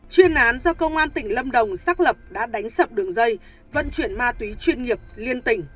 chuyên án do công an tỉnh lâm đồng xác lập đã đánh sập đường dây vận chuyển ma túy chuyên nghiệp liên tỉnh